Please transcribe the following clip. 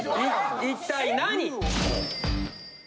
一体何？